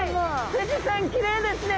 富士山きれいですね！